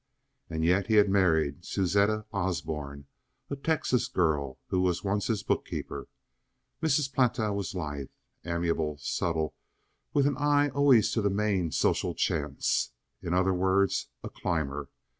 And yet he had married Susetta Osborn, a Texas girl who was once his bookkeeper. Mrs. Platow was lithe, amiable, subtle, with an eye always to the main social chance—in other words, a climber.